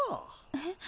えっ。